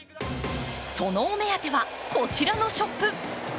そのお目当てはこちらのショップ。